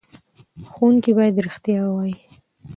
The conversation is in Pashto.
ښوونکي باید رښتیا ووايي.